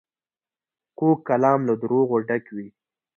کوږ کلام له دروغو ډک وي